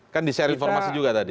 kan di seri formasi juga tadi